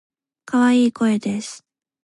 可愛い声です。